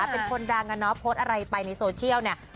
เป็นคนดังอะเนาะโพสต์อะไรไปในโซเชียลเนี่ย